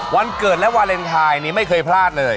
วันเกิดและวาเลนไทยนี่ไม่เคยพลาดเลย